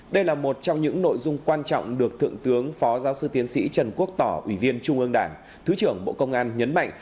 đây là một trong những nội dung quan trọng được thượng tướng phó giáo sư tiến sĩ trần quốc tỏ ủy viên trung ương đảng thứ trưởng bộ công an nhấn mạnh